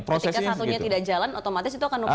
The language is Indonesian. ketika satunya tidak jalan otomatis itu akan mempenga